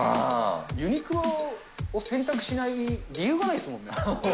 ユニクロを選択しない理由がないですもん。